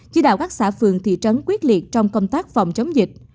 chỉ đạo các xã phường thị trấn quyết liệt trong công tác phòng chống dịch